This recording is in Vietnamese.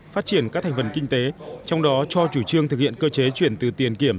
phát triển các thành phần kinh tế trong đó cho chủ trương thực hiện cơ chế chuyển từ tiền kiểm